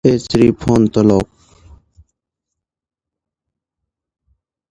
It was like I was related to everyone.